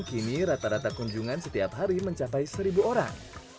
kini rata rata kunjungan setiap hari mencapai seribu orang